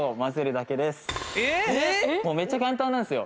めっちゃ簡単なんですよ。